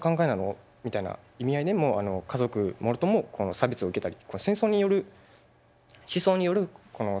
みたいな意味合いでも家族もろとも差別を受けたり。